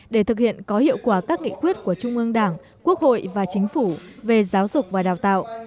để thực hiện có hiệu quả các nghị quyết của trung ương đảng quốc hội và chính phủ về giáo dục và đào tạo